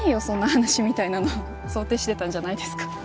そんな話みたいなの想定してたんじゃないですか？